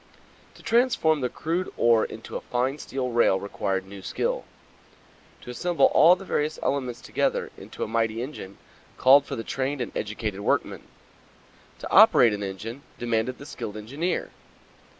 To transform the crude ore into a fine steel rail required new skill. To assemble all the various elements together into a mighty engine called for the trained and educated workman. To operate an engine demanded the skilled engineer.